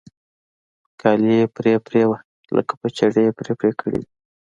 كالي يې پرې پرې وو لکه په چړې پرې كړي وي.